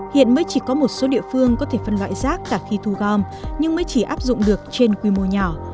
hiện mới chỉ có một số địa phương có thể phân loại rác cả khi thu gom nhưng mới chỉ áp dụng được trên quy mô nhỏ